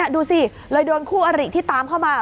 ดูสิเลยโดนคู่อริที่ตามเข้ามา